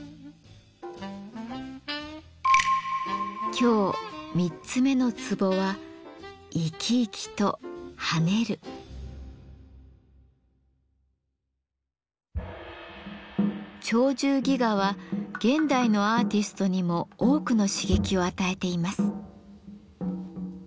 今日３つ目の壺は「鳥獣戯画」は現代のアーティストにも多くの刺激を与えています。